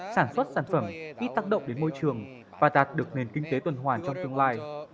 sản xuất sản phẩm ít tác động đến môi trường và đạt được nền kinh tế tuần hoàn trong tương lai